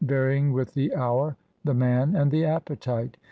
varying with the hour, the man, and the appetite.